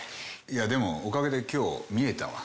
いやでもおかげで今日見えたわ。